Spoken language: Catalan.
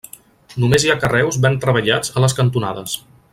Només hi ha carreus ben treballats a les cantonades.